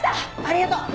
ありがとう。